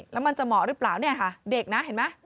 แล้วมันจะเหมาะหรือเปล่าเนี่ยค่ะเด็กนะเห็นไหม